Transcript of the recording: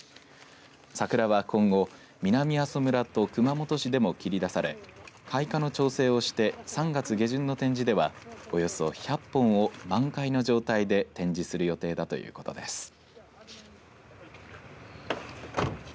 サクラは今後南阿蘇村と熊本市でも切り出され開花の調整をして３月下旬の展示ではおよそ１００本を満開の状態で展示する予定だということです。